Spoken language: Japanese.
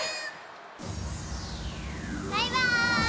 バイバーイ！